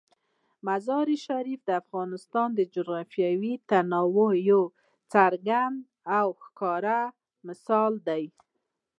مزارشریف د افغانستان د جغرافیوي تنوع یو څرګند او ښه مثال دی.